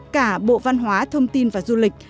cả bộ văn hóa thông tin và du lịch